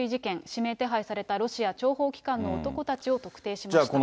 指名手配されたロシア諜報機関の男たちを特定しました。